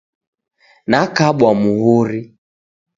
Nakabwa muhuri.